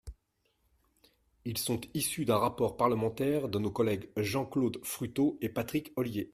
Ils sont issus d’un rapport parlementaire de nos collègues Jean-Claude Fruteau et Patrick Ollier.